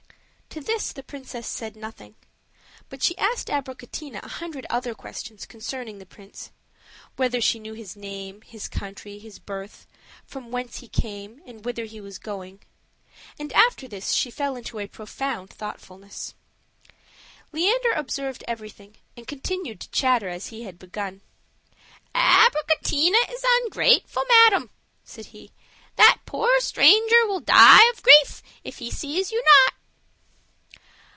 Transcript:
To this the princess said nothing, but she asked Abricotina a hundred other questions concerning the prince; whether she knew his name, his country, his birth, from whence he came, and whither he was going; and after this she fell into a profound thoughtfulness. Leander observed everything, and continued to chatter as he had begun. "Abricotina is ungrateful, madam," said he; "that poor stranger will die for grief if he sees you not."